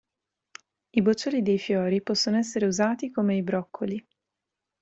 I boccioli dei fiori possono essere usati come i broccoli.